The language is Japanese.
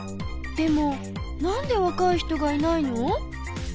でもなんでわかい人がいないの？